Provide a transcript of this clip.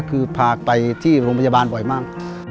คือพาไปที่โรงพยาบาลบ่อยมาก